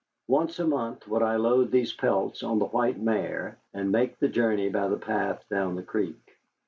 Once a month would I load these pelts on the white mare, and make the journey by the path down the creek.